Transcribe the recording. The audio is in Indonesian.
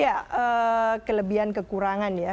ya kelebihan kekurangan ya